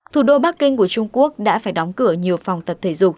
thủ đô bắc kinh của trung quốc đã phải đóng cửa nhiều phòng tập thể dục